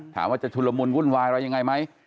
ถามว่าจะชุลมุนวุ่นวายอะไรยังไงไหม